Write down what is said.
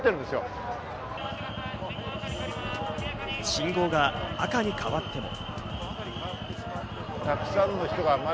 信号が赤に変わっても。